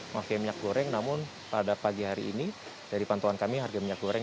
mafia minyak goreng namun pada pagi hari ini dari pantauan kami harga minyak goreng